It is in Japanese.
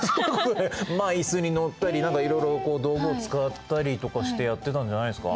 まあ椅子に乗ったり何かいろいろ道具を使ったりとかしてやってたんじゃないですか？